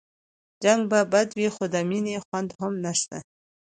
جنګ به بد وي خو د مينې خوند هم نشته